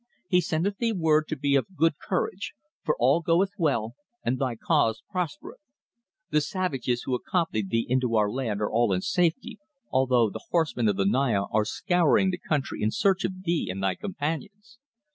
"He sendeth thee word to be of good courage, for all goeth well, and thy cause prospereth. The savages who accompanied thee into our land are all in safety, although the horsemen of the Naya are scouring the country in search of thee and thy companions.